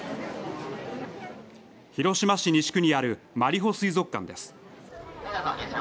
広島市西区にあるマリホ水族館です。